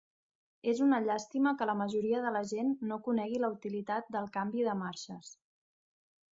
És una llàstima que la majoria de la gent no conegui la utilitat del canvi de marxes.